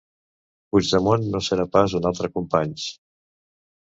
Puigdemont no serà pas un altre Companys